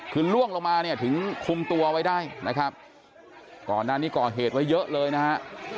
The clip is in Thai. คือล่วงลงมาเนี่ยถึงคุมตัวไว้ได้นะครับก่อนหน้านี้ก่อเหตุไว้เยอะเลยนะฮะ